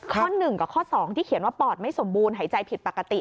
ข้อ๑กับข้อ๒ที่เขียนว่าปอดไม่สมบูรณ์หายใจผิดปกติ